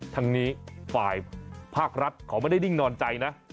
ทั้งนี้ฝ่ายภาครัฐเขาไม่ได้ดิ้งนอนใจนะ